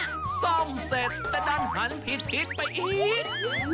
ซ่อมเสร็จแต่ดันหันผิดทิศไปอีก